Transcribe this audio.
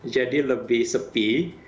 jadi lebih sepi